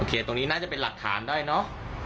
ตรงนี้น่าจะเป็นหลักฐานได้เนอะ